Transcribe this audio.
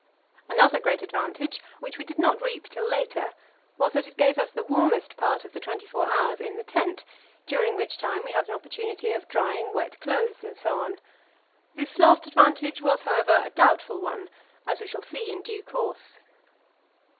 Another great advantage which we did not reap till later was that it gave us the warmest part of the twenty four hours in the tent, during which time we had an opportunity of drying wet clothes, and so on. This last advantage was, however, a doubtful one, as we shall see in due course.